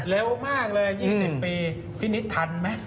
เร็วมากเลย๒๐ปีพี่นิดทันไหม